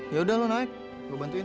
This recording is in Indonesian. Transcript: yaudah lu naik gue bantuin